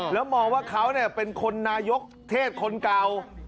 แล้วมองว่าเขาเป็นคนนายกเทศคนเก่า